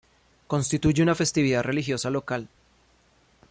Constituye una festividad religiosa local.